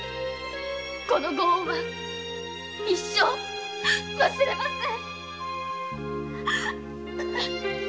このご恩は一生忘れません。